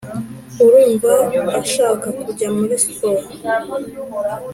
arumva ashaka kujya muri sport